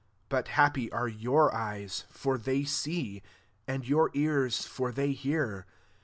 16 Bat happy art your eyes, for they see; and fomx ears for they hear.